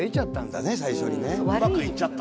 うまくいっちゃった。